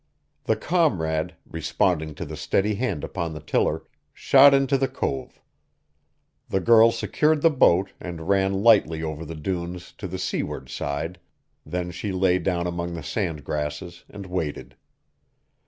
The Comrade, responding to the steady hand upon the tiller, shot into the cove. The girl secured the boat and ran lightly over the dunes to the seaward side; then she lay down among the sand grasses and waited.